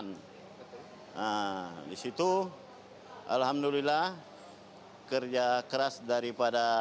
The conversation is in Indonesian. nah disitu alhamdulillah kerja keras daripada